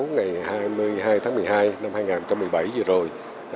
hai nghìn bảy mươi sáu ngày hai mươi hai tháng một mươi hai năm hai nghìn một mươi bảy rồi